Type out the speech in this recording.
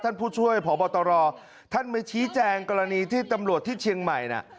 ผู้ช่วยพบตรท่านมาชี้แจงกรณีที่ตำรวจที่เชียงใหม่น่ะ